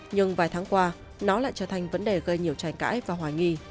nhưng vài tháng qua nó lại trở thành vấn đề gây nhiều tranh cãi và hoài nghi